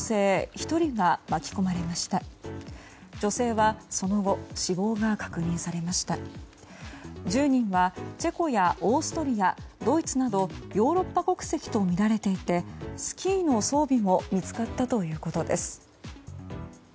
１０人はチェコやオーストリアドイツなどヨーロッパ国籍とみられていてスキーの装備も見つかったということです。